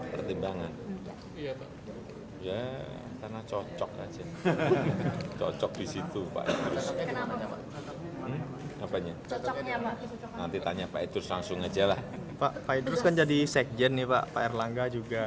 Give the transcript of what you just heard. proses di gulkar sendiri kan belum selesai jadi kalau proses belum selesai itu jangan ditanyakan dulu